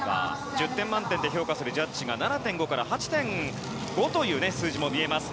１０点満点で評価するジャッジが７．５から８．５という数字も見えます。